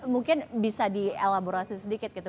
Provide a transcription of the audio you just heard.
mungkin bisa di elaborasi sedikit gitu